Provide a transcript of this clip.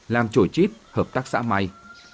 làm trổ chít hợp tác xã may